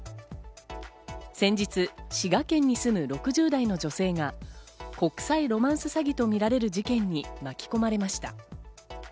先日、滋賀県に住む６０代の女性が国際ロマンス詐欺とみられる事件に巻き込まれました。